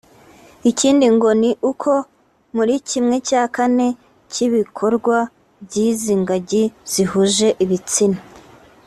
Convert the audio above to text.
Ikindi ngo ni uko muri kimwe cya kane cy’ibikorwa by’izi ngagi zihuje ibitsina